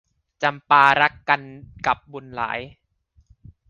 จำปารักกันกับบุญหลาย